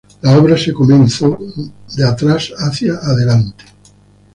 La obra se comenzó de atrás hacia adelante.